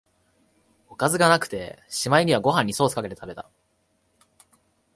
おかずがなくて、しまいにはご飯にソースかけて食べた